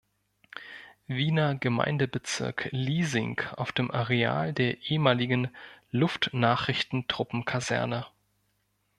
Wiener Gemeindebezirk Liesing auf dem Areal der ehemaligen Luftnachrichtentruppen-Kaserne.